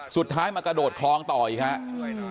สุดท้ายมากระโดดคลองต่ออีกฮะช่วยหน่อย